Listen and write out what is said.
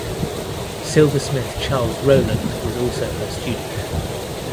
Silversmith Charles Rowland was also her student.